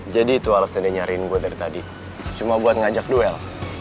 jadi itu alasannya nyariin gue dari tadi cuma buat ngajak duel